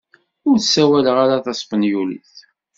Ur ssawaleɣ ara taspenyulit.